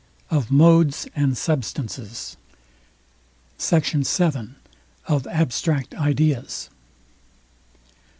OF MODES AND SUBSTANCES SECT. VII. OF ABSTRACT IDEAS.